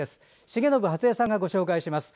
重信初江さんがご紹介します。